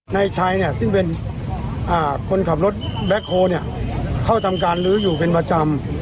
นายชัยเนี่ยซึ่งเป็นคนขับรถแบ็คโฮเข้าทำการลื้ออยู่เป็นประจำ